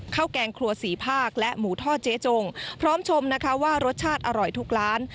แกงครัวสี่ภาคและหมูทอดเจ๊จงพร้อมชมนะคะว่ารสชาติอร่อยทุกร้าน